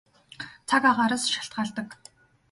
Цаг агаараас шалтгаалдаг.